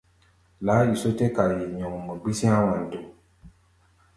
Laáiso tɛ́ kai nyɔŋmɔ gbísí há̧ Wanto.